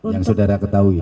yang saudara ketahui